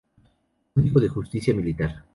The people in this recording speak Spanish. Código de Justicia Militar.